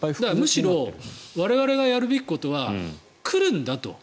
むしろ我々がやるべきことは来るんだと。